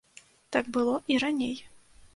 Так было і раней.